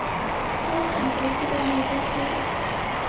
遭齐国击败后消失。